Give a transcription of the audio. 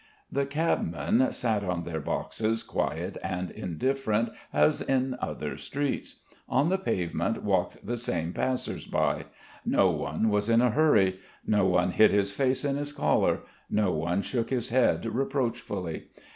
The cabmen sat on their boxes quiet and indifferent as in other streets; on the pavement walked the same passers by. No one was in a hurry; no one hid his face in his collar; no one shook his head reproachfully.